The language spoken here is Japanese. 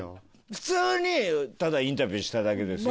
普通にただインタビューしただけですよ。